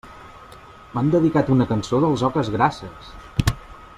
M'han dedicat una cançó dels Oques Grasses!